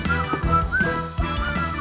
semoga ketat publik